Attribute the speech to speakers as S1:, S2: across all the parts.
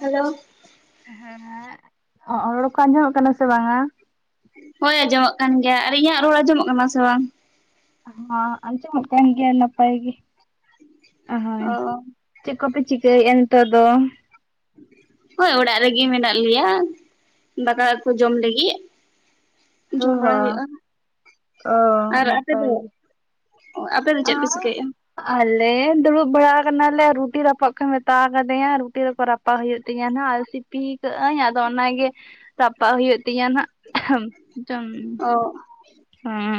S1: Hello.
S2: ᱦᱮᱸ ᱦᱮᱸ ᱨᱚᱲ ᱠᱚ ᱟᱸᱡᱚᱢᱚᱜ ᱠᱟᱱᱟ ᱥᱮ ᱵᱟᱝᱟ?
S1: ᱦᱳᱭ ᱟᱸᱡᱚᱢᱚᱜ ᱠᱟᱱ ᱜᱮᱭᱟ᱾ ᱟᱨ ᱤᱧᱟᱹᱜ ᱨᱚᱲ ᱟᱸᱡᱚᱢᱚᱜ ᱠᱟᱱᱟ ᱥᱮ ᱵᱟᱝ?
S2: ᱦᱚᱸ ᱟᱸᱡᱚᱢᱚᱜ ᱠᱟᱱ ᱜᱮᱭᱟ ᱱᱟᱯᱟᱭ ᱜᱮ ᱦᱳᱭ
S1: ᱚ
S2: ᱾ ᱪᱮᱜ ᱠᱚᱯᱮ ᱪᱤᱠᱟᱹᱭᱮᱜᱼᱟ ᱱᱤᱛᱚᱜ ᱫᱚ?
S1: ᱦᱳᱭ ᱚᱲᱟᱜ ᱨᱮᱜᱮ ᱢᱮᱱᱟᱜ ᱞᱮᱭᱟ ᱫᱟᱠᱟ ᱠᱚ ᱡᱚᱢ ᱞᱟᱹᱜᱤᱜ᱾
S2: ᱚ
S1: ᱡᱚᱢ ᱵᱟᱲᱟᱭ
S2: ᱦᱚᱸ
S1: ᱦᱩᱭᱩᱜᱼᱟ᱾
S2: ᱚ
S1: ᱟᱨ ᱟᱯᱮ ᱫᱚ
S2: ᱱᱟᱯᱟᱭ ᱜᱮ᱾
S1: ᱚ ᱟᱯᱮ ᱫᱚ ᱪᱮᱫ ᱯᱮ ᱪᱤᱠᱟᱹᱭᱮᱜᱼᱟ?
S2: ᱟᱞᱮ ᱫᱩᱲᱩᱵ ᱵᱟᱲᱟᱣ ᱠᱟᱱᱟᱞᱮ ᱨᱩᱴᱤ ᱨᱟᱯᱟᱜ ᱠᱚ ᱢᱮᱛᱟᱣ ᱠᱟᱫᱤᱧᱟ ᱨᱩ ᱴᱤ ᱨᱮᱠᱚ ᱨᱟᱯᱟᱜ ᱦᱩᱭᱩᱜ ᱛᱤᱧᱟᱹ ᱱᱟᱦᱟᱜ ᱟᱨ ᱥᱤᱯᱤᱭ ᱠᱟᱜᱼᱟᱹᱧ ᱟᱫᱚ ᱚᱱᱟᱜᱮ ᱨᱟᱯᱟᱜ ᱦᱩᱭᱩᱜ ᱛᱤᱧᱟᱹ ᱱᱟᱦᱜ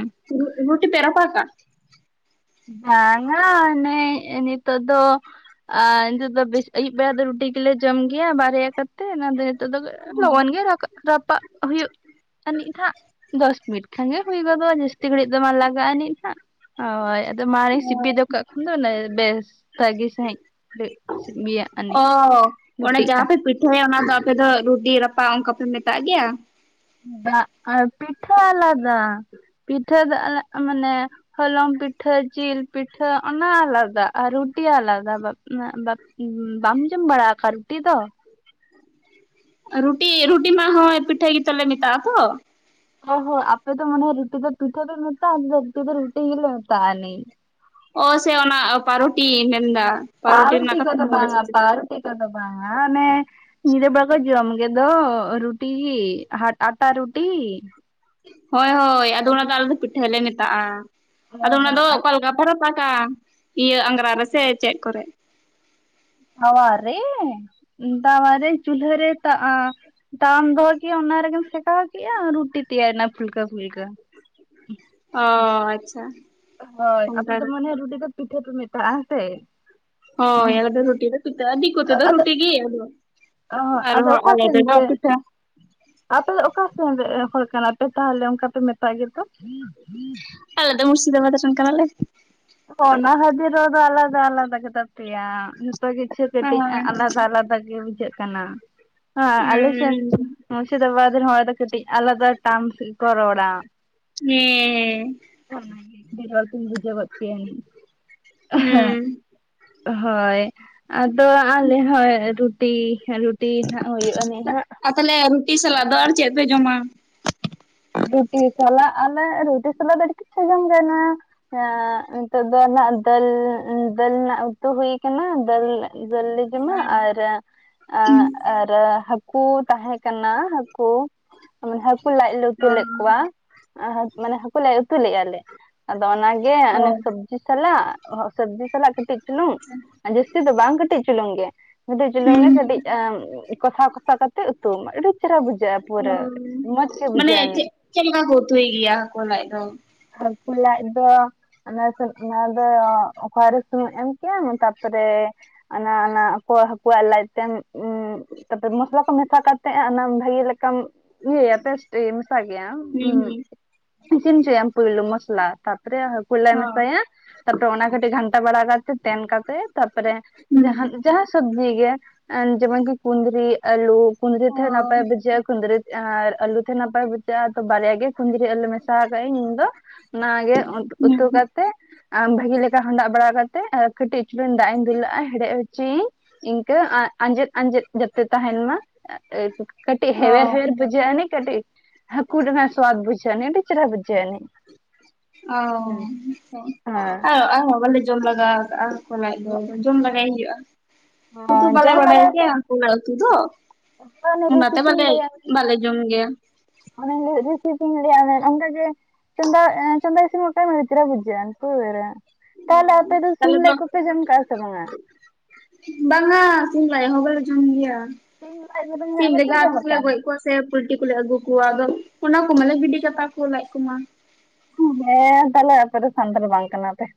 S2: [inaudible]
S1: ᱨᱩ-ᱨᱩᱴᱤ ᱯᱮ ᱨᱟᱯᱟᱜᱟ?
S2: ᱵᱟᱝᱟ ᱱᱮ ᱱᱤᱛᱚᱜ ᱫᱚ ᱟᱨ ᱱᱤᱛᱚᱜ ᱫᱚ ᱵᱮᱥ ᱟᱹᱭᱩᱵ ᱵᱮᱲᱟ ᱫᱚ ᱨᱩᱴᱤ ᱜᱮᱞᱮ ᱡᱚᱢ ᱜᱮᱭᱟ ᱵᱟᱨᱭᱟ ᱠᱟᱛ ᱛᱮ ᱚᱱᱟ ᱫᱚ ᱱᱤᱛᱚᱜ ᱫᱚ ᱞᱚᱜᱚᱱ ᱜᱮ ᱨᱟᱠᱟᱜ ᱨᱟᱯᱟᱜ ᱦᱩᱭᱩᱜ ᱟᱹᱱᱤᱡ ᱱᱟᱦᱟᱜ ᱫᱚᱥ ᱢᱤᱱᱤᱴ ᱠᱷᱟᱱ ᱜᱮ ᱦᱩᱭ ᱜᱚᱫᱚᱜᱼᱟ ᱡᱟᱹᱥᱛᱤ ᱜᱷᱟᱹᱲᱤᱡ ᱫᱚ ᱵᱟᱝ ᱞᱟᱜᱟᱜᱼᱟ ᱟᱹᱱᱤᱡ ᱱᱟᱦᱟᱜ᱾ ᱦᱳᱭ ᱟᱫᱚ ᱢᱟᱲᱮ ᱥᱤᱯᱤ ᱫᱚ ᱠᱟᱜ ᱠᱷᱟᱱ ᱫᱚ ᱚᱱᱮ ᱵᱮᱥ ᱵᱦᱟᱜᱮ ᱥᱟᱺᱦᱤᱡ ᱨᱤᱫ᱾
S1: ᱚ ᱚᱱᱮ ᱡᱟᱦᱟᱯᱮ ᱯᱤᱴᱷᱟᱹᱭᱟ ᱚᱱᱟ ᱫᱚ ᱟᱯᱮ ᱫᱚ ᱨᱩᱴᱤ ᱨᱟᱯᱟᱜ ᱚᱝᱠᱟ ᱯᱮ ᱢᱮᱛᱟᱜ ᱜᱮᱭᱟ?
S2: ᱫᱷᱟᱜ ᱟᱨ ᱯᱤᱴᱷᱟᱹ ᱟᱞᱟᱫᱟ ᱯᱤᱴᱷᱟᱹ [inaudible] ᱢᱟᱱᱮ ᱦᱚᱞᱚᱝ ᱯᱤᱴᱷᱟᱹ ᱡᱤᱞ ᱯᱤᱴᱷᱟᱹ ᱚᱱᱟ ᱟᱞᱟᱫᱟ ᱟᱨ ᱨᱩᱴᱤ ᱟᱞᱟᱫᱟ [inaudible] ᱩᱢ ᱵᱟᱢ ᱡᱚᱢ ᱵᱟᱲᱟᱣ ᱠᱟᱜ ᱨᱩᱴᱤ ᱫᱚ?
S1: ᱨᱩᱴᱤ ᱨᱩᱴᱤ ᱢᱟ ᱦᱚᱭ ᱯᱤᱴᱷᱟᱹ ᱜᱮᱛᱚ ᱞᱮ ᱢᱮᱛᱟᱜᱼᱟ ᱛᱚ᱾
S2: ᱚ ᱦᱚᱸ ᱟᱯᱮ ᱫᱚ ᱢᱚᱱᱮ ᱨᱩᱴᱤ ᱫᱚ ᱯᱤᱴᱷᱟᱹ ᱢᱮᱛᱟ ᱟᱞᱮ ᱫᱚ ᱨᱩᱴᱤ ᱫᱚ ᱨᱩᱴᱤ ᱜᱮ ᱞᱮ ᱢᱮᱛᱟᱜᱼᱟ ᱱᱤᱡ᱾
S1: ᱚ ᱥᱮ ᱚᱱᱟ ᱯᱟᱨᱩᱴᱤ ᱢᱮᱱᱫᱟ?
S2: ᱯᱟᱨᱩᱴᱤ
S1: ᱨᱮᱱᱟᱜ ᱠᱟᱛᱷᱟᱢ
S2: ᱠᱚᱫᱚ.
S1: ᱢᱮᱱᱫᱟ ᱥᱮ
S2: ᱵᱟᱝᱟ,
S1: ᱪᱮᱫ
S2: ᱯᱟᱨᱩᱴᱤ ᱠᱚ ᱫᱚ. ᱵᱟᱝᱟ ᱟ ᱚᱱᱮ ᱧᱤᱫᱟᱹ ᱵᱮᱲᱟ ᱠᱚ ᱡᱚᱢ ᱜᱮ ᱫᱚ ᱨᱩᱴᱤ ᱜᱤ, ᱦᱟᱴ ᱟᱴᱟ ᱨᱩᱴᱤ᱾
S1: ᱦᱳᱭ ᱦᱳᱭ ᱟᱫᱚ ᱚᱱᱟ ᱫᱚ ᱟᱞᱮ ᱫᱚ ᱯᱤᱴᱷᱟᱹ ᱞᱮ ᱢᱮᱛᱟᱜ-ᱟ᱾
S2: ᱚ
S1: ᱟᱫᱚ ᱚᱱᱟ
S2: ᱦᱚᱸ
S1: ᱫᱚ ᱚᱠᱟᱞᱮ ᱞᱮᱠᱟ ᱯᱷᱟᱨᱟᱵ ᱯᱟᱴᱟ ᱤᱭᱟᱹ ᱟᱝᱜᱽᱨᱟ ᱨᱮᱥᱮ ᱪᱮᱜ ᱠᱚᱨᱮ?
S2: ᱛᱟᱣᱟ ᱨᱮ, ᱛᱟᱣᱟ ᱨᱮ ᱪᱩᱞᱦᱟᱹ ᱨᱮ ᱛᱟᱜᱟ ᱛᱟᱣᱟᱢ ᱫᱚᱦᱚ ᱠᱮᱜ-ᱟ ᱚᱱᱟ ᱨᱮᱜᱮᱢ ᱥᱮᱸᱠᱟᱣ ᱠᱮᱜ-ᱟ ᱨᱩᱴᱤ ᱛᱮᱭᱟᱨᱮᱱᱟ ᱯᱷᱩᱞᱠᱟᱹ ᱯᱷᱩᱞᱠᱟᱹ᱾
S1: ᱚ ᱟᱪᱪᱷᱟ ᱟᱪᱪᱷᱟ᱾
S2: ᱦᱳᱭ ᱟᱯᱮ
S1: ᱚᱱᱠᱟ
S2: ᱫᱚ
S1: ᱜᱮ
S2: ᱢᱟᱢᱮ ᱨᱩᱴᱤ ᱫᱚ ᱯᱤᱴᱷᱟ ᱯᱮ ᱢᱮᱛᱟᱜ-ᱟ ᱥᱮ᱾
S1: ᱦᱳᱭ ᱟᱞᱮ ᱫᱚ ᱨᱩᱴᱤ ᱫᱚ ᱯᱤᱴᱷᱟ᱾ ᱟᱰᱤ ᱠᱚᱛᱮ ᱫᱚ
S2: ᱟᱫᱚ
S1: ᱨᱩᱴᱤ ᱜᱮ᱾ ᱟᱨ
S2: ᱟᱫᱚ
S1: ᱦᱚᱸ
S2: ᱚᱠᱟ
S1: ᱟᱞᱮ
S2: ᱥᱮᱱ
S1: ᱫᱚ
S2: ᱯᱮ
S1: ᱱᱟᱜ ᱯᱤᱴᱷᱟᱹ᱾
S2: ᱟᱯᱮ ᱫᱚ ᱚᱠᱟ ᱥᱮᱱ ᱨᱮᱜ ᱦᱚᱲ ᱠᱟᱱᱟ ᱯᱮ ᱛᱟᱦᱚᱞᱮ ᱚᱱᱠᱟ ᱯᱮ ᱢᱮᱛᱟᱜ ᱜᱮ ᱛᱚ᱾
S1: ᱟᱞᱮ ᱫᱚ ᱢᱩᱨᱥᱤᱫᱟᱵᱟᱫᱽ ᱨᱮᱱ ᱠᱟᱱᱟ ᱞᱮ᱾
S2: ᱚᱱᱟ ᱠᱷᱟᱛᱤᱨ ᱨᱚᱲ ᱫᱚ ᱟᱞᱟᱫᱟ ᱟᱞᱟᱫᱟ ᱜᱮᱛᱟ ᱯᱮᱭᱟ᱾ ᱛᱚ ᱜᱮᱪᱷᱮ ᱠᱟᱹᱴᱤᱡ ᱮ
S1: ᱦᱳᱭ
S2: ᱟᱞᱟᱫᱟ ᱟᱞᱟᱫᱟ ᱜᱮ ᱵᱩᱡᱷᱟᱹᱜ ᱠᱟᱱᱟ᱾ ᱟ ᱟᱞᱮ ᱥᱮᱱ
S1: ᱦᱮᱸ
S2: ᱢᱩᱨᱥᱤᱫᱟᱵᱟᱫᱽ ᱨᱮ ᱦᱚᱲ ᱫᱚ ᱠᱟᱹᱴᱤᱡ ᱟᱞᱟᱫᱟ ᱴᱟᱱ ᱜᱮᱠᱚ ᱨᱚᱲᱟ᱾
S1: ᱦᱮᱸᱻ
S2: [inaudible]
S1: ᱦᱮᱸ
S2: ᱦᱳᱭ ᱟᱫᱚ ᱟᱞᱮ ᱦᱚᱭ ᱨᱩᱴᱤ ᱨᱩᱴᱤ ᱴᱤ ᱱᱟᱦᱟᱜ ᱦᱩᱭᱩᱜ-ᱟ ᱱᱤᱦᱟᱜ᱾
S1: ᱛᱟᱦᱚᱞᱮ ᱨᱩᱴᱤ ᱥᱟᱞᱟᱜ ᱫᱚ ᱟᱨ ᱪᱮᱜ ᱯᱮ ᱡᱚᱢᱟ?
S2: ᱨᱩᱴᱤ ᱥᱟᱞᱟᱜ ᱟᱞᱮ ᱨᱩᱴᱤ ᱥᱟᱞᱟᱜ ᱫᱚ ᱟᱸᱰᱤ ᱠᱤᱪᱷᱩ ᱡᱚᱢ ᱜᱟ᱾ ᱱᱚᱣᱟ ᱦᱮ ᱦᱟᱜ ᱱᱤᱛᱚᱜ ᱫᱚ ᱱᱟᱜ ᱫᱟᱹᱞ ᱫᱟᱹᱞ ᱱᱟᱜ ᱩᱛᱩ ᱦᱩᱭ ᱠᱟᱱᱟ᱾ ᱫᱟᱹᱞ ᱫᱟᱹᱞ ᱞᱮ ᱡᱚᱢᱟ᱾ ᱟᱨ ᱟ ᱟᱨ ᱦᱟᱹᱠᱩ ᱛᱟᱦᱮᱸ ᱠᱟᱱᱟ ᱦᱟᱹᱠᱩ ᱢᱟᱱᱮ ᱦᱟᱹᱠᱩ ᱞᱟᱡ ᱞᱮ ᱩᱛᱩ
S1: ᱚ
S2: ᱞᱮᱜ ᱠᱚᱣᱟ᱾ ᱟ ᱦᱟ ᱢᱟᱱᱮ ᱦᱟᱹᱠᱩ ᱞᱮ ᱩᱛᱩ ᱞᱮᱜᱟ ᱞᱮ᱾ ᱟᱫᱚ ᱚᱱᱟᱜᱮ
S1: ᱚ
S2: ᱚᱱᱮ ᱥᱚᱵᱽᱡᱤ ᱥᱟᱞᱟᱜ ᱥᱚᱵᱽᱡᱤ ᱥᱟᱞᱟᱜ ᱠᱟᱹᱴᱤᱡ ᱪᱩᱞᱩᱝ᱾ ᱡᱟᱹᱥᱛᱤ ᱫᱚ ᱵᱟᱝ ᱠᱟᱹᱴᱤᱡ ᱪᱩᱞᱩᱝ ᱜᱮ᱾ ᱦᱩᱰᱩᱜ ᱪᱩᱞᱩᱝ ᱜᱮ
S1: ᱦᱩᱸ
S2: ᱠᱟᱴᱤᱡ ᱟ ᱠᱚᱥᱟᱣ ᱠᱚᱥᱟᱣ ᱠᱟᱛᱮᱜ ᱩᱛᱩ ᱢᱮ᱾ ᱟᱹᱰᱤ ᱪᱮᱦᱨᱟ ᱵᱩᱡᱷᱟᱹᱜ-ᱟ ᱯᱩᱨᱟᱹ᱾ ᱢᱚᱡᱽ ᱜᱮ ᱵᱩᱡ
S1: ᱪᱮᱜ ᱞᱮᱠᱟ ᱠᱚ ᱩᱛᱩᱭ ᱜᱮᱭᱟ ᱦᱟᱠᱳ ᱞᱟᱡ ᱫᱚ?
S2: ᱦᱟᱠᱩ ᱞᱟᱡ ᱫᱚ ᱟᱞᱮ ᱥᱮᱫ ᱞᱟᱦᱟ ᱨᱮ ᱫᱚ ᱚᱯᱷᱟᱨ ᱦᱩᱛᱩᱢ ᱦᱮᱢ ᱠᱮᱜᱟ ᱚᱱᱠᱟ ᱛᱟᱨᱯᱚᱨᱮ ᱚᱱᱟ ᱚᱱᱟ ᱟᱠᱚᱣᱟᱜ ᱦᱟᱹᱠᱩᱣᱟᱜ ᱞᱟᱡ ᱛᱮᱢ ᱦᱩ ᱛᱟᱯᱚᱨᱮ ᱢᱚᱥᱞᱟ ᱠᱚ ᱢᱮᱥᱟ ᱠᱟᱛᱮᱜ ᱚᱱᱟ ᱵᱷᱟᱹᱜᱤ ᱞᱮ ᱠᱟᱢ ᱤᱭᱟᱹᱭᱟ ᱯᱷᱮᱥᱴ ᱢᱮᱥᱟ ᱜᱮᱭᱟ ᱤᱥᱤᱱ ᱦᱚᱪᱚᱭᱟᱢ᱾ ᱯᱳᱭᱞᱳ ᱢᱚᱥᱞᱟ ᱛᱟᱨᱯᱚᱨᱮ ᱠᱩᱞᱮ ᱢᱮᱥᱟᱭᱟ ᱛᱟᱯᱚᱨᱮ ᱚᱱᱟ ᱠᱟᱹᱴᱤᱡ ᱜᱷᱟᱱᱴᱟ ᱵᱟᱲᱟ ᱠᱟᱛᱮ ᱛᱮᱱ ᱠᱟᱛᱮᱜ ᱛᱟᱯᱚᱨᱮ ᱡᱟᱦᱟᱸ ᱡᱟᱦᱟᱸ ᱥᱚᱵᱽᱡᱤ ᱜᱮ, ᱡᱮᱢᱚᱱ ᱠᱤ ᱠᱩᱫᱽᱨᱤ ᱟᱞᱩ ᱠᱩᱸᱫᱽᱨᱤ ᱛᱮ ᱦᱚᱸ ᱱᱟᱯᱟᱭ ᱵᱩᱡᱷᱟᱹᱜᱼᱟ ᱠᱩᱸᱫᱽᱨᱤ ᱛᱮ ᱦᱚᱸ ᱟᱨ ᱟᱞᱩ ᱛᱮ ᱱᱟᱯᱟᱭ ᱵᱩᱡᱷᱟᱹᱜᱼᱟ᱾ ᱛᱚ ᱵᱟᱨᱭᱟ ᱜᱮ ᱠᱩᱸᱫᱽᱨᱤ ᱟᱞᱩ ᱢᱮᱥ ᱥᱟᱦᱟ ᱠᱟᱤᱧ ᱤᱧ ᱫᱚ᱾ ᱚᱱᱟᱜᱮ ᱚᱱ ᱩᱛᱩ ᱠᱟᱛᱮᱜ ᱟᱢ ᱵᱷᱟᱹᱜᱤ ᱞᱮᱠᱟ ᱦᱟᱸᱰᱟᱜ ᱵᱟᱲᱟ ᱠᱟᱛᱮᱜ ᱠᱟᱹᱴᱤᱡ ᱪᱩᱞᱩᱝ ᱫᱟᱜ ᱤᱧ ᱫᱩᱞᱟᱜᱼᱟ ᱦᱮᱰᱮᱡ ᱦᱚᱪᱚᱭᱤᱧ᱾ ᱤᱱᱠᱟᱹ ᱟ ᱟᱡᱮᱫ ᱟᱡᱮᱫ ᱡᱟᱛᱮ ᱛᱟᱦᱮᱸᱱ ᱢᱟ᱾ ᱠᱟᱹᱴᱤᱡ ᱦᱮᱣᱮᱨ ᱦᱮᱣᱮᱨ ᱵᱩᱡᱷᱟ ᱟᱱᱤᱡ ᱠᱟᱹᱴᱤᱡ ᱦᱟᱹᱠᱩ ᱨᱮᱱᱟᱜ ᱥᱚᱣᱟᱫ ᱵᱩᱡᱷᱟᱜᱼᱟ ᱱᱤᱡ ᱟᱹᱰᱤ ᱪᱮᱦᱨᱟ ᱵᱩᱡᱷᱟᱜᱼᱟ ᱱᱤᱡ᱾
S1: ᱚᱻ
S2: ᱦᱮᱸ
S1: ᱟᱣ ᱟᱣ ᱦᱚᱸ ᱵᱟᱞᱮ ᱡᱚᱢ ᱞᱮᱜᱟᱣ ᱠᱟᱜᱼᱟ᱾ ᱦᱟᱹᱠᱩ ᱞᱟᱡ ᱫᱚ ᱡᱚᱢ ᱞᱮᱜᱟᱭ ᱦᱩᱭᱩᱜᱼᱟ, ᱩᱛᱩ ᱵᱟᱞᱮ
S2: ᱡᱚᱢ
S1: ᱵᱟᱰᱟᱭ
S2: ᱞᱟᱜᱟᱣ
S1: ᱥᱮ
S2: ᱛᱮ
S1: ᱦᱟᱹᱠᱩ ᱞᱟᱡ ᱩᱛᱩ ᱫᱚ ᱾ ᱚᱱᱟ ᱛᱮ
S2: ᱨᱮᱥᱤᱯᱤᱧ
S1: ᱵᱟᱞᱮ, ᱵᱟᱞᱮ ᱡᱚᱢ ᱜᱮᱭᱟ ᱾
S2: ᱚᱱᱮ ᱞᱟᱹᱭ ᱮᱫ ᱨᱤᱥᱤᱯᱤᱧ ᱞᱟᱹᱭᱟᱜ ᱢᱮ ᱚᱱᱠᱟ ᱜᱮ ᱪᱚᱫᱟ ᱪᱚᱫᱟ ᱤᱥᱤᱱ ᱢᱚᱴᱮ ᱟᱹᱰᱤ ᱪᱮᱨᱦᱟ ᱵᱩᱡᱷᱟᱜᱼᱟ [unintelligible] ᱨᱮ ᱾
S1: ᱚ,
S2: ᱛᱟᱦᱚᱞᱮ ᱟᱯᱮ ᱫᱚ ᱥᱤᱢ ᱞᱟᱡ ᱠᱚᱯᱮ ᱡᱚᱢ ᱠᱟᱜᱼᱟ ᱥᱮ ᱵᱟᱝᱼᱟ?
S1: ᱵᱟᱝᱼᱟ ᱥᱤᱢ ᱞᱟᱡ ᱦᱚᱸ ᱵᱟᱞᱮ ᱡᱚᱢ ᱜᱮᱭᱟ
S2: ᱥᱤᱢ ᱞᱟᱡ ᱠᱚᱫᱚ
S1: ᱾
S2: ᱢᱮᱱᱟᱜ
S1: ᱥᱤᱢ
S2: ᱵᱟᱯᱮ
S1: ᱞᱮᱜᱟ
S2: ᱡᱚᱢ
S1: ᱟᱹᱛᱩ ᱠᱚᱨᱮ
S2: ᱠᱟᱜᱼᱟ
S1: ᱜᱚᱡ ᱠᱚᱣᱟ ᱥᱮ ᱯᱚᱞᱴᱤ ᱠᱚᱞᱮ ᱟᱹᱜᱩ ᱠᱚᱣᱟ ᱟᱫᱚ ᱚᱱᱚ ᱠᱚ ᱢᱟᱞᱮ ᱜᱤᱰᱤ ᱠᱟᱛᱟ ᱠᱚ ᱞᱟᱡ ᱠᱚᱢᱟ ᱾
S2: ᱦᱮᱸ ᱛᱟᱦᱚᱞᱮ ᱟᱯᱮ ᱫᱚ ᱥᱟᱱᱛᱟᱲ ᱵᱟᱝ ᱠᱟᱱᱟ ᱯᱮ ᱾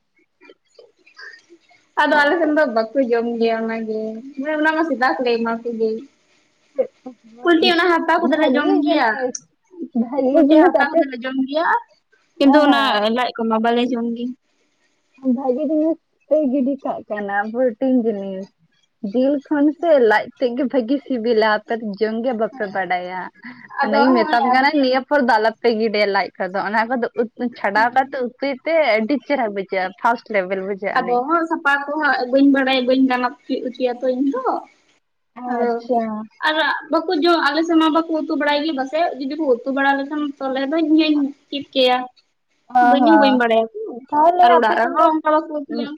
S2: [unintelligible]
S1: ᱟᱫᱚ ᱟᱞᱮ ᱥᱮᱱ ᱫᱚ ᱵᱟᱠᱚ ᱡᱚᱢ ᱜᱮᱭᱟ ᱚᱱᱟ ᱜᱮ ᱵᱚᱞᱮ ᱚᱱᱟ ᱢᱟ ᱥᱮᱛᱟ ᱠᱚᱞᱮ ᱮᱢᱟ ᱠᱚᱜᱮ ᱾ ᱯᱚᱞᱴᱤ ᱚᱱᱟ ᱦᱟᱨᱛᱟ ᱠᱚᱫᱚ ᱞᱮ ᱡᱚᱢ
S2: ᱵᱷᱟᱹᱜᱤ
S1: ᱜᱮᱭᱟ
S2: ᱡᱤᱱᱤᱥ
S1: ᱾
S2: ᱵᱷᱟᱹᱜᱤ
S1: ᱯᱚᱞᱴᱤ
S2: ᱡᱤᱱᱤᱥ
S1: ᱦᱟᱨᱛᱟ
S2: ᱟᱯᱮ
S1: ᱠᱚᱫᱚ ᱞᱮ ᱡᱚᱢ ᱜᱮᱭᱟ ᱠᱤᱱᱛᱩ ᱚᱱᱟ
S2: ᱦᱮᱸ
S1: ᱞᱟᱡ ᱠᱚᱢᱟ ᱵᱟᱞᱮ ᱡᱚᱢ ᱜᱮ ᱾
S2: ᱵᱷᱟᱜᱮ ᱡᱤᱱᱤᱥ ᱯᱮ ᱜᱤᱰᱤ ᱠᱟᱜ ᱠᱟᱱᱟ ᱯᱨᱚᱴᱤᱱ ᱡᱤᱱᱤᱥ ᱾ ᱡᱤᱞ ᱠᱷᱚᱱ ᱥᱮ ᱞᱟᱡ ᱛᱮᱫ ᱜᱮ ᱵᱷᱟᱹᱜᱤ ᱥᱤᱵᱤᱞᱟ ᱾ ᱟᱯᱮ ᱫᱚ ᱡᱚᱢ ᱜᱮ ᱵᱟᱯᱮ ᱵᱟᱰᱟᱭᱟ,
S1: ᱟᱫᱚ
S2: ᱚᱱᱟᱜᱤᱧ
S1: ᱦᱚᱸᱜᱼᱚᱭ
S2: ᱢᱮᱛᱟᱢ ᱠᱟᱱᱟ
S1: ᱟᱹᱰᱤ
S2: ᱱᱤᱭᱟᱹ ᱮᱨᱯᱚᱨ ᱫᱚ ᱟᱞᱚ ᱯᱮ ᱜᱤᱰᱭᱟ ᱞᱟᱡ ᱠᱚᱫᱚ ᱚᱱᱟ ᱠᱚᱫᱚ ᱪᱷᱟᱰᱟᱣ ᱠᱟᱛᱮ ᱩᱛᱩᱭ ᱛᱮ ᱟᱹᱰᱤ ᱪᱮᱦᱨᱟ ᱵᱩᱡᱷᱟᱹ ᱡᱷᱟᱹᱜ-ᱟ ᱯᱷᱟᱥᱴ ᱞᱮᱵᱮᱞ ᱵᱩ
S1: ᱟᱫᱚ ᱦᱟᱸᱜ ᱥᱟᱯᱷᱟ ᱠᱚ ᱦᱟᱸᱜ ᱵᱟᱹᱧ ᱵᱟᱲᱟᱭ ᱵᱟᱹᱧ ᱵᱟᱲᱟᱭ ᱵᱟᱹᱧ ᱜᱟᱱ ᱚᱪᱚ ᱦᱚᱪᱚᱭᱟ ᱛᱚ ᱤᱧ ᱫᱚ ᱾ ᱦᱮᱞᱳ
S2: ᱟᱪᱪᱷᱟ
S1: ᱾ ᱟᱨ ᱵᱟᱹᱠᱚ ᱡᱚᱢ ᱟᱸᱞᱮ ᱥᱮᱫ ᱢᱟ ᱵᱟᱹᱠᱚ ᱩᱛᱩ ᱵᱟᱲᱟᱭ ᱜᱮ ᱯᱟᱥᱮᱫ ᱡᱩᱫᱤ ᱠᱚ ᱩᱛᱩ ᱵᱟᱲᱟ ᱞᱮᱹᱠᱷᱟᱱ ᱛᱟᱞᱦᱮ ᱫᱚ ᱤᱧ ᱦᱚᱧ ᱪᱮᱫ ᱠᱮᱭᱟ
S2: ᱚ
S1: ᱾ ᱵᱟᱹᱧ ᱦᱚ
S2: ᱦᱚᱸ
S1: ᱵᱟᱹᱧ ᱵᱟᱲᱟᱭᱟ ᱛᱚ
S2: ᱛᱟᱦᱚᱞᱮ
S1: ᱟᱨ
S2: ᱟᱯᱮ
S1: ᱚᱲᱟᱜ
S2: ᱥᱮᱱ ᱫᱚ
S1: ᱨᱮᱦᱚᱸ ᱩᱛᱩ ᱦᱚᱸ ᱵᱟᱠᱚ ᱩᱛᱩᱭᱟ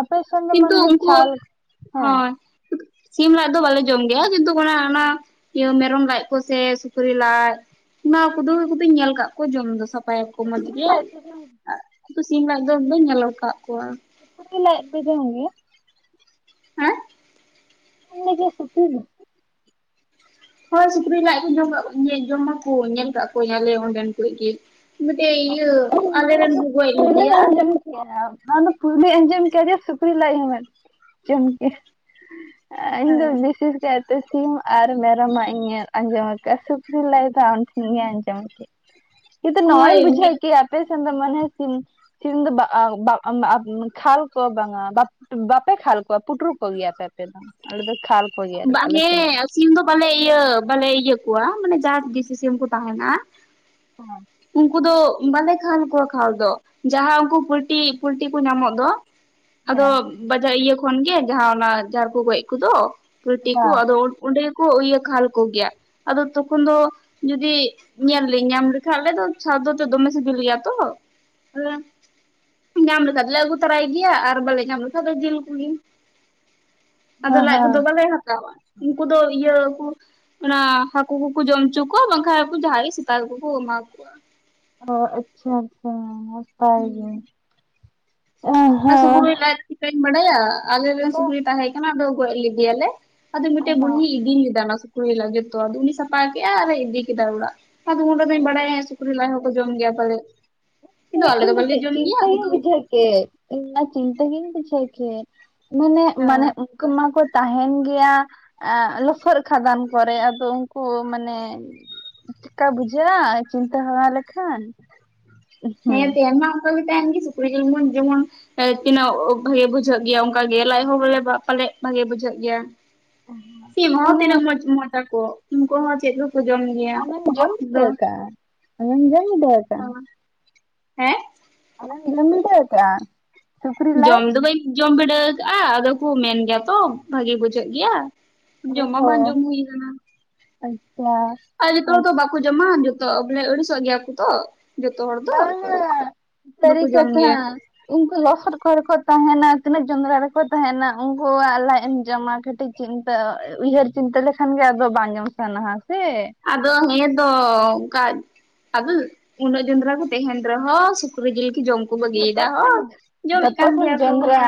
S2: ᱟᱯᱮ ᱥᱮᱱ ᱫᱚ
S1: ᱠᱤᱱᱛᱩ
S2: ᱢᱚᱱᱮ ᱦᱚᱭ
S1: ᱩᱱᱹᱠᱩ
S2: ᱪᱷᱟᱞ ᱦᱮᱸ
S1: ᱦᱳᱭ ᱾ ᱥᱤᱢ ᱞᱟᱡ ᱫᱚ ᱵᱟᱞᱮ ᱡᱚᱢ ᱜᱮᱹᱭᱟ ᱠᱤᱱᱛᱩᱠ ᱚᱱᱟ ᱚᱱᱟ ᱤᱭᱟᱹ ᱢᱮᱨᱚᱢ ᱞᱟᱡ ᱠᱚᱸᱥᱮ, ᱥᱩᱠᱨᱤ ᱞᱟᱡ ᱚᱱᱟ ᱠᱚᱫᱚ ᱠᱩᱫᱚᱧ ᱧᱮᱞ ᱟᱠᱟᱫ ᱠᱚᱣᱟ ᱡᱚᱢ ᱫᱚ ᱥᱟᱯᱷᱟᱭᱟᱠᱚ ᱢᱚᱸᱡᱽ
S2: ᱥᱩᱠᱨᱤ
S1: ᱜᱮ,
S2: ᱞᱟᱡ ᱯᱮ ᱡᱚᱢ
S1: ᱠᱤᱱᱛᱩ ᱥᱤᱢ ᱞᱟᱡ ᱫᱚ ᱵᱟᱹᱧ ᱧᱮᱞ ᱟᱠᱟᱜ ᱠᱚᱣᱟ ᱾
S2: ᱥᱩᱠᱨᱤ‌ ᱞᱟᱡ ᱯᱮ ᱡᱚᱢ ᱜᱮᱭᱟ?
S1: ᱦᱮᱸᱜ?
S2: [inaudible] ᱥᱩᱛᱤᱞ
S1: ᱦᱳᱭ ᱥᱩᱠᱨᱤ ᱞᱟᱡ ᱠᱚ [unintelligible] ᱡᱚᱢᱟ ᱠᱚ ᱧᱮᱞ ᱠᱟᱫ ᱠᱚᱣᱟᱹᱧ ᱟᱞᱮ ᱚᱸᱰᱮᱱ ᱠᱩᱡ ᱜᱮ ᱾ ᱢᱮᱴᱮᱡ ᱤᱭᱟᱹ ᱟᱞᱮ
S2: ᱱᱚᱣᱟ
S1: ᱨᱮᱱ
S2: ᱫᱚ
S1: ᱠᱚ ᱜᱚᱡ
S2: ᱯᱳᱭᱞᱳᱧ
S1: ᱞᱮᱫᱤᱭᱟ ᱾
S2: [unintelligible] ᱚᱱᱟ ᱫᱚ ᱯᱩᱭᱞᱩᱧ ᱟᱸᱡᱚᱢ ᱠᱮ ᱥᱩᱠᱨᱤ ᱞᱟᱡ ᱦᱚᱸ [unintelligible] ᱡᱚᱢ ᱜᱮᱭᱟ ᱾ ᱤᱧ ᱫᱚ
S1: ᱦᱮᱸ
S2: ᱵᱤᱥᱮᱥ ᱠᱟᱹᱭᱛᱮ ᱥᱤᱢ, ᱟᱨ ᱢᱮᱹᱨᱚᱢᱟᱜ ᱟᱸᱡᱚᱢ ᱟᱠᱟᱫ-ᱟ, ᱥᱩᱠᱨᱤ ᱞᱟᱡ ᱛᱚ ᱟᱢ ᱴᱷᱮᱱ ᱜᱮᱧ ᱟᱸᱡᱚᱢ ᱠᱮᱫ, ᱠᱤᱱᱛᱩ
S1: ᱦᱳᱭ
S2: ᱱᱚᱣᱟᱧ ᱵᱩᱡᱷᱟᱹᱣ ᱠᱮᱫᱟ ᱟᱯᱮ ᱥᱮᱱ ᱫᱚ ᱢᱟᱱᱮ ᱥᱤᱢ ᱥᱤᱢ ᱫᱚ ᱵᱟᱝ ᱟᱸ [unintelligible] ᱠᱷᱟᱞ ᱠᱚ ᱵᱟᱝᱟ ᱵᱟᱯᱮ ᱠᱷᱟᱞ ᱠᱚᱣᱟ ᱯᱩᱴᱩᱨ ᱠᱚ ᱜᱮᱭᱟᱯᱮ ᱟᱯᱮ ᱫᱚ, ᱟᱞᱮ ᱫᱚ ᱠᱷᱟᱞ ᱾
S1: ᱵᱟᱝ ᱜᱮ ᱥᱤᱢ ᱫᱚ ᱵᱟᱞᱮ ᱤᱭᱟᱹ ᱵᱟᱞᱮ ᱤᱭᱟᱹ ᱠᱚᱣᱟ ᱢᱟᱱᱮ ᱡᱟᱦᱟᱸ ᱫᱮᱥᱤ ᱥᱤᱢ ᱠᱚ ᱛᱟᱦᱮᱱᱟ ᱩᱠᱩ ᱫᱚ ᱵᱟᱞᱮ ᱠᱷᱟᱞ ᱠᱚᱣᱟ ᱠᱷᱟᱞ ᱫᱚ, ᱡᱟᱦᱟᱸ ᱩᱱᱠᱩ ᱯᱚᱞᱴᱤ ᱯᱩᱞᱴᱤ ᱠᱚ ᱧᱟᱢᱚᱜ ᱫᱚ ᱟᱫᱚ
S2: ᱦᱮᱸ
S1: ᱵᱟᱡᱟᱨ ᱤᱭᱟᱹ ᱠᱷᱚᱱᱜᱮ ᱡᱟᱦᱟᱸ ᱚᱱᱟ ᱡᱟᱦᱟ ᱨᱮ ᱠᱚ ᱜᱚᱡ ᱠᱚᱫᱚ ᱯᱚᱞᱴᱤ ᱠᱚ
S2: ᱦᱮᱸ
S1: ᱟᱫᱚ ᱚᱸᱰᱮ ᱜᱮᱹᱠᱚ ᱤᱭᱟᱹ ᱠᱷᱟᱞ ᱠᱚᱜᱮᱭᱟ, ᱟᱫᱚ ᱛᱚᱠᱷᱚᱱ ᱫᱚ ᱡᱩᱫᱤ ᱧᱮᱞ ᱞᱤᱧ ᱧᱟᱢ ᱞᱮᱠᱷᱟᱡ ᱟᱞᱮ ᱫᱚ ᱥᱟᱹᱫᱚ ᱫᱚ ᱮᱛᱮ ᱫᱚᱸᱢᱮ ᱥᱤᱵᱤᱞ ᱜᱮᱭᱟ ᱛᱚ ᱾ ᱴᱛᱟᱦᱞᱮ ᱧᱟᱢ ᱞᱮᱹᱠᱷᱟᱡ ᱫᱚᱞᱮ ᱟᱹᱜᱩ ᱛᱚᱨᱟᱭ ᱜᱮᱭᱟ ᱟᱨ ᱵᱟᱞᱮ ᱧᱟᱢ ᱞᱮᱠᱷᱟᱡ ᱫᱚ ᱡᱤᱞ ᱠᱚᱜᱮ ᱾ ᱟᱸᱫᱚ ᱞᱟᱡ ᱠᱚᱹᱫᱚ
S2: ᱦᱮᱸ
S1: ᱵᱟᱞᱮ ᱦᱟᱛᱟᱣᱟ, ᱩᱱᱠᱩ ᱫᱚ ᱤᱭᱟᱹ ᱠᱚ ᱚᱱᱟ ᱦᱟᱹᱠᱩ ᱠᱚ ᱠᱩ ᱡᱚᱢ ᱚᱪᱩ ᱠᱚᱣᱟ ᱵᱟᱝ ᱠᱷᱟᱡ [unintelligible] ᱩᱱᱠᱩ ᱡᱟᱦᱟᱭ ᱜᱮ ᱥᱮᱛᱟ ᱠᱚᱜᱮ ᱥᱮᱛᱟ ᱠᱚ ᱜᱮ ᱮᱢᱟ ᱠᱚᱸᱣᱟ ᱾
S2: ᱚ ᱟᱪᱷᱟ ᱟᱪᱪᱷᱟ, ᱱᱟᱯᱟᱭ ᱜᱮ ᱾
S1: ᱟᱨ ᱥᱩᱠᱨᱤ ᱞᱟᱡ ᱪᱟᱹᱠᱟᱧ ᱵᱟᱹᱰᱟᱭᱟ ᱟᱞᱮᱨᱮᱱ ᱥᱩᱠᱨᱤ ᱛᱟᱦᱮᱸ ᱠᱟᱱᱟ ᱟᱫᱚ ᱜᱚᱡ ᱞᱮᱫᱮᱭᱟ ᱞᱮ᱾ ᱟᱫᱚ ᱢᱤᱫᱴᱮᱜ
S2: ᱵᱟ
S1: ᱵᱩᱲᱦᱤ ᱤᱫᱤ ᱞᱮᱫᱟ ᱚᱱᱟ ᱥᱩᱠᱨᱤ [unintelligible] ᱡᱚᱛᱚ ᱟᱫᱚ ᱩᱱᱤ ᱥᱟᱯᱷᱟ ᱠᱮᱜᱼᱟ ᱟᱨᱮ ᱤᱫᱤ ᱠᱮᱫᱟ ᱚᱲᱟᱜ᱾ ᱟᱫᱚ ᱩᱱᱤ ᱨᱮᱫᱚᱧ ᱵᱟᱲᱟᱭᱟ ᱥᱩᱠᱨᱤ ᱞᱟᱡ ᱦᱚᱸᱠᱚ ᱡᱚᱢ ᱜᱮᱭᱟ ᱯᱟᱞᱮᱜ ᱠᱤᱱᱛᱩ ᱟᱞᱮ ᱫᱚ ᱵᱟᱞᱮ ᱡᱚᱢ ᱜᱮᱭᱟ [unintelligible]
S2: ᱠᱮ ᱤᱧ ᱢᱟ ᱪᱤᱱᱛᱟᱹ ᱜᱮᱧ ᱵᱩᱡᱷᱟᱹᱣ ᱠᱮᱜ ᱢᱟᱱᱮ ᱢᱟᱱᱮ ᱠᱚ ᱢᱟ ᱠᱚ ᱛᱟᱦᱮᱱ ᱜᱮᱭᱟ ᱮᱸ ᱞᱚᱥᱚᱫ ᱠᱷᱟᱫᱟᱱ ᱠᱚᱨᱮ ᱟᱫᱚ ᱩᱝ ᱠᱚ ᱢᱟᱱᱮ ᱪᱮᱠᱟ ᱵᱩᱡᱷᱟᱹᱜᱼᱟ ᱪᱤᱱᱛᱟᱹ [unintelligible] ᱞᱮᱠᱷᱟᱱ
S1: ᱦᱮᱸ ᱛᱮᱦᱮᱱ ᱢᱟ ᱚᱝᱠᱚ ᱜᱮ ᱛᱮᱦᱮᱱ ᱜᱮ ᱥᱩᱠᱨᱤ ᱡᱤᱞ ᱵᱚᱱ ᱡᱚᱢᱟ ᱮ ᱛᱤᱱᱟᱹᱜ ᱵᱷᱟᱜᱮ ᱵᱩᱡᱷᱟᱹᱜ ᱜᱮᱭᱟ ᱚᱝᱠᱟ ᱜᱮ ᱞᱟᱡ ᱦᱚᱸ ᱵᱚᱞᱮ ᱯᱟᱞᱮᱜ ᱵᱷᱟᱜᱮ ᱵᱩᱡᱷᱟᱹᱜ ᱜᱮᱭᱟ᱾ ᱥᱤᱢ ᱦᱚᱸ
S2: ᱢᱟᱱᱮ
S1: ᱛᱤᱱᱟᱹᱜ ᱢᱚᱡᱽ ᱢᱚᱡᱟᱠᱚ ᱩᱝᱠᱩ ᱦᱚᱸ ᱪᱮᱜ ᱠᱚᱠᱚ ᱡᱚᱢ ᱜᱮᱭᱟ᱾
S2: ᱟᱢᱮᱢ ᱡᱚᱢ
S1: ᱟᱫᱚ
S2: [unintelligible] ᱟᱢᱮᱢ ᱡᱚᱢ [unintelligible]
S1: ᱦᱮᱸ᱾
S2: [unintelligible] ᱥᱩᱠᱨᱤ ᱞᱟᱡ
S1: ᱡᱚᱢ ᱫᱚ ᱵᱟᱹᱧ ᱡᱚᱢ ᱵᱤᱰᱟᱹᱣ ᱠᱟᱜᱼᱟ ᱟᱫᱚ ᱠᱚ ᱢᱮᱱ ᱜᱮᱭᱟ ᱛᱚ ᱵᱷᱟᱜᱮ ᱵᱩᱡᱷᱟᱹᱜ ᱜᱮᱭᱟ᱾
S2: ᱚ
S1: ᱡᱚᱢ ᱢᱟ ᱵᱟᱝ
S2: ᱦᱚᱸ
S1: ᱡᱚᱢ ᱦᱩᱭ ᱠᱟᱱᱟ᱾
S2: ᱟᱪᱪᱷᱟ᱾
S1: ᱟᱨ ᱡᱚᱛᱚ ᱦᱚᱲ ᱫᱚ ᱵᱟᱠᱚ ᱡᱚᱢᱟ ᱡᱚᱛᱚ ᱵᱚᱞᱮ ᱟᱹᱲᱤᱥᱚᱜ ᱜᱮᱭᱟ ᱠᱚ ᱛᱚ᱾ ᱡᱚᱛᱚ ᱦᱚᱲ ᱫᱚ
S2: ᱵᱟᱝᱟ ᱥᱟᱹᱨᱤ
S1: ᱵᱟᱠᱚ ᱡᱚᱢ
S2: ᱠᱟᱛᱷᱟ᱾
S1: ᱜᱮᱭᱟ
S2: ᱩᱝᱠᱩ ᱞᱚᱥᱚᱫ ᱠᱚᱨᱮ ᱠᱚᱸ ᱛᱟᱦᱮᱱᱟ ᱛᱤᱱᱟᱹᱜ ᱡᱚᱸᱫᱽᱨᱟ ᱨᱮᱠᱚ ᱛᱟᱦᱮᱱᱟ ᱩᱝᱠᱩᱣᱟᱜ ᱞᱟᱡ ᱮᱢ ᱡᱚᱢᱟ ᱠᱟᱹᱴᱤᱡ ᱪᱤᱱᱛᱟᱹ ᱩᱭᱦᱟᱹᱨ ᱪᱤᱱᱛᱟᱹ ᱞᱮᱠᱷᱟᱱ ᱜᱮ ᱟᱫᱚ ᱵᱟᱝ ᱡᱚᱢ ᱥᱟᱱᱟᱣᱟ ᱥᱮ᱾
S1: ᱟᱫᱚ ᱦᱮᱸ ᱫᱚ ᱚᱝᱠᱟ ᱟᱫᱚ ᱩᱱᱟᱹᱜ ᱡᱚᱸᱫᱽᱨᱟ ᱠᱚ ᱛᱟᱦᱮᱱ ᱨᱮᱦᱚᱸ ᱥᱩᱠᱨᱤ ᱡᱤᱞ ᱠᱤ ᱡᱚᱢ ᱠᱚ ᱵᱟᱹᱜᱤᱭᱫᱟ ᱦᱚᱲ? ᱡᱚᱢᱮᱫ ᱠᱟᱱ
S2: ᱡᱚᱛᱚᱠᱷᱚᱱ
S1: ᱜᱮᱭᱟ ᱠᱚ
S2: ᱡᱚᱸᱫᱽᱨᱟ᱾
S1: ᱚᱱᱠᱟ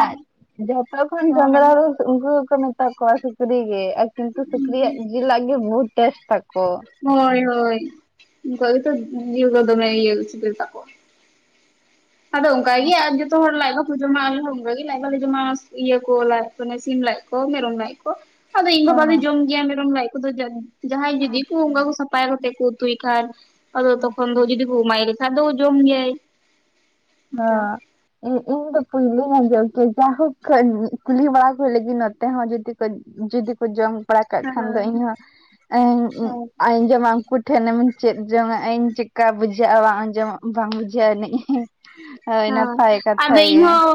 S2: ᱡᱷᱚᱛᱚ ᱠᱷᱚᱱ
S1: ᱦᱳᱭ
S2: ᱡᱚᱸᱫᱽᱨᱟ ᱫᱚ ᱩᱝᱠᱩ ᱜᱮᱠᱚ ᱢᱮᱛᱟᱣ ᱠᱚᱣᱟ ᱥᱩᱠᱨᱤ ᱜᱮ ᱟᱨ ᱠᱤᱱᱛᱩ ᱥᱩᱠᱨᱤᱭᱟᱜ ᱡᱤ ᱡᱤᱞᱟᱜ ᱜᱮ ᱵᱚᱦᱩᱛ ᱴᱮᱥ ᱛᱟᱠᱚ᱾
S1: ᱦᱳᱭ ᱦᱳᱭ ᱩᱝᱠᱩᱣᱟᱜ ᱜᱮ ᱛᱚ ᱤᱭᱟᱹ ᱫᱚ ᱫᱚᱢᱮ ᱤᱭᱟᱹ ᱥᱤᱵᱤᱞ ᱛᱟᱠᱚᱣᱟ᱾ ᱟᱫᱚ ᱚᱝᱠᱟ ᱜᱮᱭᱟ ᱟᱨ ᱡᱚᱛᱚ ᱦᱚᱲ ᱞᱟᱡ ᱵᱟ ᱠᱚ ᱡᱚᱢᱟ ᱟᱞᱮ ᱦᱚᱸ ᱚᱝᱠᱟ ᱜᱮ ᱞᱟᱡ ᱵᱟᱞᱮ ᱡᱚᱢᱟ ᱤᱭᱟᱹ ᱠᱚ ᱞᱟᱡ ᱠᱚ ᱚᱱᱮ ᱥᱤᱢ ᱞᱟᱡ ᱠᱚ ᱢᱮᱨᱩᱢ ᱞᱟᱡ ᱠᱚ᱾ ᱟᱫᱚ ᱤᱧ
S2: ᱚ
S1: ᱵᱟᱵᱟ ᱜᱮ ᱡᱚᱢ ᱜᱮᱭᱟᱭ ᱢᱮᱨᱚᱢ ᱞᱟᱡ ᱠᱚᱫᱚ ᱡᱟ-ᱡᱟᱦᱟᱸᱭ ᱡᱩᱫᱤ ᱠᱚ
S2: ᱟᱪᱪᱷᱟ
S1: ᱚᱝᱠᱟ ᱠᱚ ᱥᱟᱯ ᱯᱟᱭ ᱠᱟᱛᱮᱜ ᱠᱚ ᱩᱛᱩᱭ ᱠᱷᱟᱱ ᱟᱫᱚ ᱛᱚᱠᱷᱚᱱ
S2: ᱟᱪᱪᱷᱟ
S1: ᱫᱚ ᱡᱩᱫᱤ ᱠᱚ ᱮᱢᱟᱭ ᱞᱮᱠᱷᱟᱱ ᱫᱚ ᱡᱚᱢ ᱜᱮᱭᱟᱭ᱾ ᱚᱱᱠᱟ
S2: ᱦᱚᱸ ᱤᱧ ᱫᱚ ᱯᱩᱭᱞᱩᱧ [inaudible] ᱡᱟ ᱦᱳᱠ ᱠᱩᱞᱦᱤ ᱵᱟᱲᱟ ᱠᱚ ᱞᱟᱹᱜᱤ ᱱᱚᱛᱮ ᱦᱚᱸ ᱡᱚᱫᱤ ᱠᱚ ᱡᱩᱫᱤ ᱠᱚ ᱡᱚᱢ ᱵᱟᱲᱟ ᱠᱟᱜ ᱠᱷᱟᱱ ᱫᱚ ᱤᱧ ᱦᱚᱸ ᱟᱡᱚᱢᱟ ᱩᱝᱠᱩ [unintelligible]
S1: ᱦᱚᱸ ᱟᱫᱚ ᱤᱧᱦᱚᱸ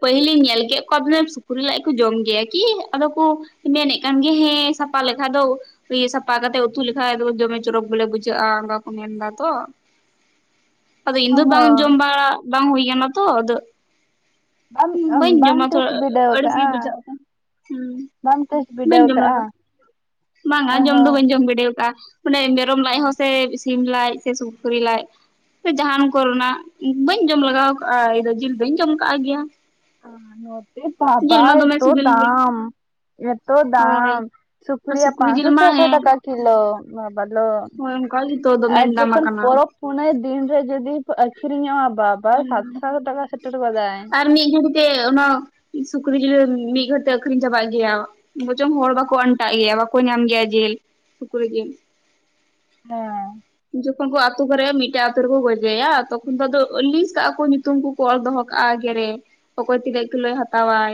S1: ᱯᱟᱹᱦᱤᱞᱧ ᱧᱮᱞ ᱠᱮᱜ ᱠᱚᱣᱟ ᱵᱚᱞᱮ ᱥᱩᱠᱨᱤ ᱞᱟᱡ ᱠᱚ ᱡᱚᱢ ᱜᱮᱭᱟ ᱠᱤ ᱟᱫᱚ ᱠᱚ ᱢᱮᱱᱮᱜ ᱠᱟᱱ ᱜᱮ ᱦᱮᱸ ᱥᱟᱯᱷᱟ ᱞᱮᱠᱷᱟ ᱫᱚ ᱤᱭᱟᱹ ᱥᱟᱯᱷᱟ ᱠᱟᱛᱮᱜ ᱩᱛᱩ ᱞᱮᱠᱷᱟᱡ ᱫᱚᱢᱮ ᱪᱚᱨᱚᱠ ᱵᱚᱞᱮ ᱵᱩᱡᱷᱟᱹᱜᱼᱟ ᱚᱝᱠᱟ ᱠᱚ ᱢᱮᱱᱫᱟ ᱛᱚ᱾ ᱟᱫᱚ
S2: [inaudible]
S1: ᱤᱧ ᱫᱚ ᱵᱟᱝ
S2: ᱦᱚᱸ
S1: ᱡᱚᱢ ᱵᱟᱲᱟ ᱵᱟᱝ ᱦᱩᱭ ᱠᱟᱱᱟ ᱛᱚ ᱟᱫᱚ ᱵᱟᱹᱧ
S2: ᱵᱟᱢ ᱵᱟᱢ
S1: ᱡᱚᱢᱟ ᱛᱷᱚ
S2: ᱴᱮᱥᱴ ᱵᱤᱰᱟᱹᱣ
S1: ᱟᱹᱲᱤᱥ ᱜᱮ
S2: ᱠᱟᱜᱼᱟ
S1: ᱵᱩᱡᱷᱟᱹᱜᱼᱟ [inaudible] ᱦᱩᱸ
S2: ᱵᱟᱢ ᱴᱮᱥᱴ
S1: ᱵᱟᱹᱧ
S2: ᱵᱤᱰᱟᱹᱣ
S1: ᱡᱚᱢ
S2: ᱠᱟᱜᱼᱟ
S1: ᱞᱮᱫᱟ ᱵᱟᱝᱟ
S2: ᱚ
S1: ᱡᱚᱢ ᱫᱚ
S2: ᱦᱚᱸ
S1: ᱵᱟᱹᱧ ᱡᱚᱢ ᱵᱤᱰᱟᱹᱣ ᱠᱟᱜᱼᱟ᱾ ᱢᱟᱱᱮ ᱢᱮᱨᱚᱢ ᱞᱟᱡ ᱦᱚᱸ ᱥᱮ ᱥᱤᱢ ᱞᱟᱡ ᱥᱮ ᱥᱩᱠᱨᱤ ᱞᱟᱡ ᱡᱟᱦᱟᱱ ᱠᱚᱨᱮᱱᱟᱜ ᱵᱟᱹᱧ ᱡᱚᱢ ᱞᱮᱟᱜᱟᱣ ᱠᱟᱜᱼᱟ ᱡᱤᱞ ᱫᱚᱹᱧ ᱡᱚᱢ ᱠᱟᱜ ᱜᱮᱭᱟ᱾
S2: ᱟ ᱱᱚᱛᱣ
S1: ᱡᱤᱞ
S2: ᱵᱟᱵᱟ
S1: ᱢᱟ ᱫᱚᱢᱮ
S2: ᱮᱛᱚ
S1: ᱥᱤᱵᱤᱞ ᱜᱮᱭᱟ
S2: ᱫᱟᱢ ᱮᱛᱚ ᱫᱟᱢ
S1: ᱦᱳᱭ
S2: ᱥᱩᱠᱨᱤᱭᱟ
S1: ᱥᱩᱠᱨᱤ
S2: ᱯᱟᱸᱥᱚ
S1: ᱡᱤᱞ ᱢᱟ
S2: ᱪᱷᱚᱥᱚ
S1: ᱦᱮᱸ
S2: ᱴᱟᱠᱟ ᱠᱤᱞᱳ ᱵᱟᱵᱟᱞᱳ,
S1: ᱦᱳᱭ ᱚᱱᱠᱟ ᱜᱮᱛᱚ ᱫᱚᱢᱮ
S2: ᱟᱨ
S1: ᱫᱟᱢ
S2: ᱡᱚᱠᱷᱚᱱ
S1: ᱟᱠᱟᱱᱟ
S2: ᱯᱚᱨᱚᱵ ᱯᱩᱱᱟᱹᱭ ᱫᱤᱱ ᱨᱮ ᱡᱩᱫᱤ ᱟᱹᱠᱷᱤᱨᱧᱚᱜᱼᱟ ᱵᱟᱵᱟ ᱨᱮ
S1: ᱦᱩᱸ
S2: ᱥᱟᱛᱥᱚ ᱴᱟᱠᱟ ᱥᱮᱴᱮᱨ ᱜᱚᱫᱟᱭ ᱾
S1: ᱟᱨ ᱢᱤᱫ ᱜᱷᱟᱹᱲᱤᱡ ᱛᱮ ᱚᱱᱟ ᱥᱩᱠᱨᱤ ᱡᱤᱞ ᱢᱤᱫ ᱜᱷᱟᱹᱲᱤ ᱛᱮ ᱟᱠᱷᱨᱤᱧ ᱪᱟᱵᱟᱜ ᱜᱮᱭᱟ ᱾ ᱵᱚᱪᱚᱝ ᱦᱚᱲ ᱵᱟᱠᱚ ᱟᱱᱴᱟᱜ ᱜᱮᱭᱟ ᱵᱟᱠᱚ ᱧᱟᱢ ᱜᱮᱭᱟ ᱡᱤᱞ, ᱥᱩᱠᱨᱤ ᱡᱤᱞ ᱾
S2: ᱦᱮᱸ ᱾
S1: ᱡᱚᱠᱷᱚᱱ ᱠᱚ ᱟᱛᱩ ᱠᱚᱨᱮ ᱢᱤᱫᱴᱮᱡ ᱟᱛᱩ ᱨᱮᱠᱚ ᱜᱚᱡᱮᱭᱟ ᱛᱚᱠᱷᱚᱱ ᱫᱚ ᱟᱫᱚ ᱞᱤᱥᱴ ᱠᱟᱜᱼᱟ ᱠᱚ ᱧᱩᱛᱩᱢ ᱠᱚᱠᱚ ᱚᱞ ᱫᱚᱦᱚ ᱠᱟᱜᱼᱟ ᱟᱜᱮ ᱨᱮ ᱚᱠᱚᱭ ᱛᱤᱱᱟᱹᱜ ᱠᱤᱞᱳ ᱦᱟᱛᱟᱣᱟᱭ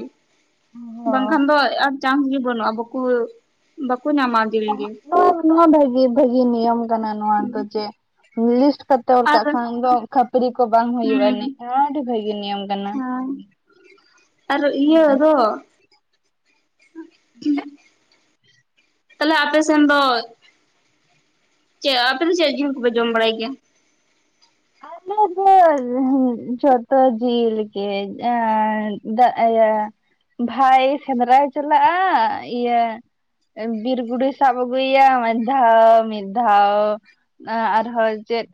S1: ᱾
S2: ᱚ
S1: ᱵᱟᱝᱠᱷᱟᱱ ᱫᱚ ᱟᱨ ᱪᱟᱱᱥ ᱜᱮ ᱵᱟᱹᱱᱩᱜᱼᱟ ᱵᱟᱠᱩ ᱵᱟᱠᱚ ᱧᱟᱢᱟ ᱡᱤᱞ ᱜᱮ ᱾
S2: ᱟᱨ [unintelligible] ᱱᱚᱣᱭᱟ ᱵᱷᱟᱹᱜᱤ ᱵᱷᱟᱹᱜᱤ ᱱᱤᱭᱚᱢ ᱠᱟᱱᱟ ᱱᱚᱣᱟ ᱫᱚ ᱡᱮ ᱞᱤᱥᱴ [unintelligible] ᱛᱚᱨ
S1: ᱟᱨ
S2: ᱠᱟᱜ ᱠᱷᱟᱱ ᱫᱚ ᱠᱷᱟᱹᱯᱨᱤ ᱠᱚ ᱵᱟᱝ ᱦᱩᱭᱩᱜ-ᱟ ᱤᱱᱟᱹ
S1: ᱦᱩᱸ
S2: ᱠᱷᱟᱡᱟᱹᱰᱤ ᱵᱷᱟᱹᱜᱤ ᱱᱤᱭᱚᱢ ᱠᱟᱱᱟ ᱾
S1: ᱟᱨᱚ ᱤᱭᱟᱹ ᱫᱚ
S2: ᱪᱮᱫ?
S1: ᱛᱟᱦᱞᱮ ᱟᱯᱮ ᱥᱮᱱ ᱫᱚ ᱪᱮᱫ ᱟᱯᱮ ᱫᱚ ᱪᱮᱫ ᱡᱤᱞ ᱠᱚᱯᱮ ᱡᱚᱢ ᱵᱟᱲᱟᱭ ᱜᱮᱭᱟ?
S2: ᱟᱞᱮ ᱫᱚ ᱡᱷᱚᱛᱚ ᱡᱤᱞ ᱜᱮ, ᱮᱸ ᱫᱟᱜ ᱟᱭᱟ ᱾ ᱵᱷᱟᱭ ᱥᱮᱸᱫᱽᱨᱟᱭ ᱪᱟᱞᱟᱜᱼᱟ ᱤᱭᱟᱹ ᱵᱤᱨ ᱜᱩᱰᱩᱭ ᱥᱟᱵ ᱟᱹᱜᱩᱭᱭᱟ ᱢᱤᱫ ᱫᱷᱟᱣ ᱢᱤᱫ ᱫᱷᱟᱣ ᱟᱨᱦᱚᱸ ᱪᱮᱫ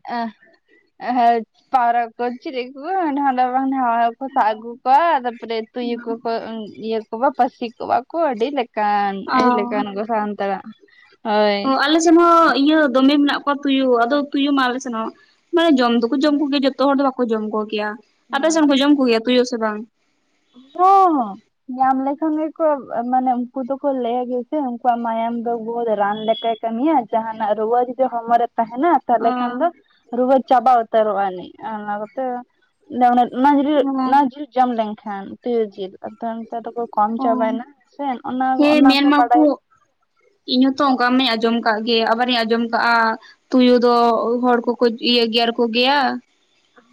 S2: ᱦᱮᱸᱪ ᱯᱟᱣᱨᱟ ᱠᱚ ᱪᱮᱞᱤ ᱠᱚ [unintelligible] ᱠᱚ ᱥᱟᱵ ᱟᱹᱜᱩ ᱠᱚᱣᱟ ᱛᱟᱯᱚᱨᱮ ᱛᱩᱭᱩ ᱠᱚᱠᱚ ᱤᱭᱟᱹ ᱠᱚᱣᱟ ᱯᱟᱹᱥᱤ ᱠᱚᱣᱟ ᱠᱚ ᱟᱹᱰᱤ ᱞᱮᱠ ᱠᱟᱱ ᱟᱹᱰᱤ
S1: ᱚ
S2: ᱞᱮᱠᱟᱱ ᱠᱚ ᱥᱛᱟᱲᱟᱜ ᱾ ᱦᱳᱭ
S1: ᱚ
S2: ᱾
S1: ᱟᱞᱮ ᱥᱮᱱ ᱦᱚᱸ ᱤᱭᱟᱹ ᱫᱚᱢᱮ ᱢᱮᱱᱟᱜ ᱠᱚᱣᱟ ᱛᱩᱭᱩ ᱟᱫᱚ ᱛᱩᱭᱩ ᱢᱟ ᱟᱞᱮ ᱥᱮᱱ ᱦᱚᱸ ᱢᱟᱱᱮ ᱡᱚᱢ ᱫᱚᱠᱚ ᱡᱚᱢ
S2: ᱦᱩᱸ
S1: ᱠᱚᱜᱮᱭᱟ ᱡᱚᱛᱚ ᱦᱚᱲ ᱫᱚ ᱵᱟᱠᱚ ᱡᱚᱢ ᱠᱚᱜᱮᱭᱟ ᱾ ᱟᱯᱮ ᱥᱮᱱ ᱠᱚ
S2: ᱦᱩᱸ
S1: ᱡᱚᱢ ᱠᱚᱜᱮᱭᱟ ᱛᱩᱭᱩ ᱥᱮ ᱵᱟᱝ?
S2: ᱦᱮᱸ ᱦᱮᱸ ᱾ ᱧᱟᱢ ᱞᱮᱠᱷᱟᱱ ᱜᱮᱠᱚ ᱢᱟᱱᱮ ᱩᱱᱠᱩ ᱫᱚᱠᱚ ᱞᱟᱹᱭᱟ ᱜᱮ ᱥᱮ ᱩᱱᱠᱩᱣᱟᱜ ᱢᱟᱭᱟᱢ ᱫᱚ ᱵᱚᱦᱩᱛ ᱨᱟᱱ ᱞᱮᱠ ᱠᱟᱭ ᱠᱟᱹᱢᱤᱭᱟ ᱡᱟᱦᱟᱸᱱᱟᱜ ᱨᱩᱣᱟᱹ ᱡᱩᱫᱤ ᱦᱚᱲᱢᱚ ᱨᱮ ᱛᱟᱦᱮᱱᱟ ᱾
S1: ᱚ
S2: ᱛᱟᱦᱚᱞᱮ ᱠᱷᱟᱱ ᱫᱚ ᱨᱩᱣᱟᱹ ᱪᱟᱵᱟ ᱩᱛᱟᱹᱨᱚᱜᱼᱟ ᱟᱹᱱᱤᱡ ᱚᱱᱟ ᱠᱚᱛᱮ ᱾ ᱚᱱᱟ ᱚᱱᱟ ᱚᱱᱟ ᱡᱩᱫᱤ ᱚᱱᱟ ᱡᱤᱞ ᱡᱚᱢ ᱞᱮᱱᱠᱷᱟᱱ ᱛᱩᱭᱩ ᱡᱤᱞ ᱾ ᱛᱟᱭᱚᱢ ᱛᱮ ᱟᱫᱚ ᱠᱚ ᱠᱚᱢ
S1: ᱚ ᱚ
S2: ᱪᱟᱵᱟᱭᱮᱱᱟ ᱥᱮ ᱚᱱᱟ
S1: ᱦᱮᱸ
S2: ᱚᱱᱟ
S1: ᱢᱮᱱ
S2: ᱠᱚ
S1: ᱢᱟᱠᱚ
S2: ᱵᱟᱰᱟᱭ
S1: ᱤᱧ ᱦᱚᱸᱛᱚ ᱚᱱᱠᱟ ᱢᱟᱸᱧ ᱟᱸᱡᱚᱢ ᱠᱟᱜ ᱜᱮ ᱟᱵᱟᱨᱤᱧ ᱟᱸᱡᱚᱢ ᱠᱟᱜᱼᱟ ᱛᱩᱭᱩ ᱫᱚ ᱦᱚᱲ ᱠᱚᱠᱚ ᱤᱭᱟᱹ ᱜᱮᱨ ᱠᱚᱜᱮᱭᱟ ᱾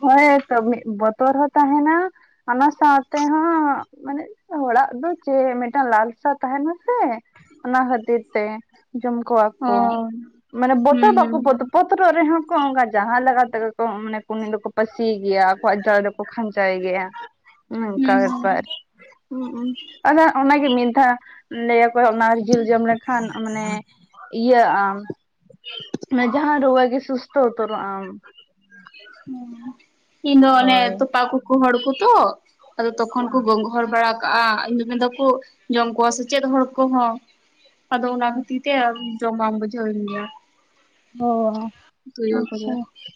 S2: ᱦᱳᱭ ᱛᱚ ᱢᱤᱫ ᱵᱚᱛᱚᱨ ᱦᱚᱸ ᱛᱟᱦᱮᱱᱟ ᱚᱱᱟ ᱥᱟᱶ ᱛᱮᱦᱚᱸ ᱢᱟᱱᱮ ᱦᱚᱲᱟᱜ ᱫᱚ ᱪᱮᱫ ᱢᱮᱫᱴᱟᱝ ᱞᱟᱞᱥᱟ ᱛᱟᱦᱮᱱᱟ ᱥᱮ ᱾ ᱚᱱᱟ ᱠᱷᱟᱹᱛᱤᱨ ᱛᱮ ᱡᱚᱢ ᱠᱚᱣᱟ
S1: ᱚ
S2: ᱠᱚ, ᱢᱟᱱᱮ
S1: ᱦᱩᱸ
S2: ᱵᱚᱛᱚᱨ ᱵᱟᱠᱚ ᱵᱚᱛ ᱵᱚᱛᱨᱚᱜ ᱨᱮᱦᱚᱸ ᱠᱚ ᱚᱱᱠᱟ ᱡᱟᱦᱟᱸ ᱞᱮᱠᱟ ᱛᱮᱜᱮ ᱠᱚ ᱢᱟᱱᱮ ᱩᱱᱤ ᱫᱚᱠᱚ ᱯᱟᱹᱥᱤᱭ ᱜᱮᱭᱟ ᱟᱠᱚᱣᱟᱜ ᱡᱟᱞ ᱨᱮᱠᱚ ᱠᱷᱟᱸᱪᱟᱭ ᱜᱮᱭᱟ
S1: ᱦᱩᱸ
S2: ᱚᱱᱠᱟ
S1: ᱦᱩᱸ ᱦᱩᱸ
S2: ᱵᱮᱯᱟᱨ ᱾ ᱦᱩᱸᱜ -ᱩᱸ ᱟᱫᱚ ᱚᱱᱟ ᱜᱮ ᱢᱤᱫ ᱫᱷᱟᱣ ᱞᱟᱹᱭ ᱟᱠᱚ ᱚᱱᱟ ᱡᱤᱞ ᱡᱚᱢ ᱢᱮ ᱾ ᱠᱷᱟᱱ ᱢᱟᱱᱮ ᱤᱭᱟᱹ ᱟᱢ ᱢᱟᱱᱮ ᱡᱟᱦᱟᱸ ᱨᱩᱣᱟᱹ ᱜᱮ ᱥᱩᱥᱛᱷᱚ ᱩᱛᱟᱹᱨᱚᱜ ᱟᱢ ᱾
S1: ᱦᱩᱸ ᱾ ᱤᱧ ᱫᱚ ᱚᱱᱮ
S2: ᱦᱳᱭ
S1: ᱛᱚᱯᱟ ᱠᱚᱠᱚ ᱦᱚᱲ ᱠᱚᱛᱚ ᱟᱫᱚ ᱛᱚᱠᱷᱚᱱ ᱠᱚ ᱜᱚᱝᱜᱷᱚᱨ ᱵᱟᱲᱟ ᱠᱟᱜ-ᱟ, ᱤᱧ ᱫᱚ ᱢᱮᱱ ᱫᱟᱠᱚ ᱡᱚᱢ ᱠᱚᱣᱟ ᱥᱮ ᱪᱮᱫ ᱦᱚᱲ ᱠᱚᱦᱚᱸ ᱟᱫᱚ ᱚᱱᱟ ᱠᱷᱟᱹᱛᱤᱨ ᱛᱮ ᱡᱚᱢ ᱵᱟᱝ ᱵᱩᱡᱷᱟᱹᱣᱤᱧ ᱜᱮᱭᱟ ᱾
S2: ᱦᱚᱸ ᱾
S1: ᱛᱳᱭᱳ ᱠᱚᱜᱮ,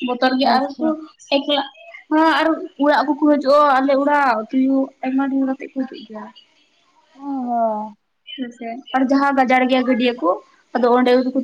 S1: ᱵᱚᱛᱚᱨ ᱜᱮ ᱟᱨ ᱦᱩᱠᱩ ᱥᱮᱠᱟᱜ ᱾ ᱦᱮᱸ ᱟᱨ ᱚᱲᱟᱜ ᱠᱚᱠᱚ ᱦᱤᱡᱩᱜᱼᱟ ᱟᱞᱮ ᱚᱲᱟᱜ ᱛᱩᱭᱩ ᱟᱭᱢᱟ ᱰᱷᱮᱨ ᱠᱟᱛᱮᱜ ᱠᱚ ᱦᱤᱡᱩᱜ ᱜᱮᱭᱟ ᱾
S2: ᱚᱸ ᱦᱚ
S1: ᱦᱮᱸᱥᱮ ᱟᱨ ᱡᱟᱦᱟᱸ ᱜᱟᱡᱟᱲ ᱜᱮᱭᱟ ᱜᱤᱰᱤᱭᱟᱹ ᱠᱚ ᱟᱫᱚ ᱚᱸᱰᱮ ᱩᱝᱠᱩ